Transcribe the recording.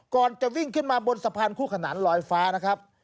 ก่อนจะวิ่งขึ้นมาบนสะพานคู่ขนานลอยฟ้านะครับ